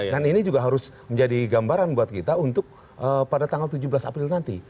dan ini juga harus menjadi gambaran buat kita untuk pada tanggal tujuh belas april nanti